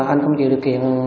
anh không chịu điều kiện